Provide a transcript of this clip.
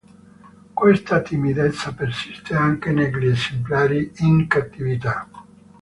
Questa timidezza persiste anche negli esemplari in cattività